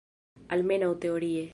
Almenaŭ teorie.